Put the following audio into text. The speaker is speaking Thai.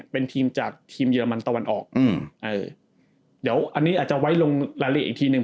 เป็นทีมจากทีมเยอรมันตะวันออกอืมเออเดี๋ยวอันนี้อาจจะไว้ลงรายละเอียดอีกทีหนึ่ง